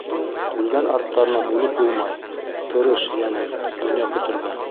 Үлгән арттарынан үлеп булмай - Тырыш, йәнем, донъя көтөргә.